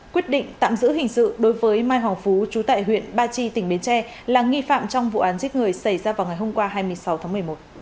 quyết định tạm giữ hình sự đối với mai hoàng phú trú tại huyện ba chi tỉnh bến tre là nghi phạm trong vụ án giết người xảy ra vào ngày hôm qua hai mươi sáu tháng một mươi một